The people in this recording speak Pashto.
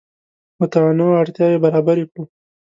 متنوع اړتیاوې برابر کړو.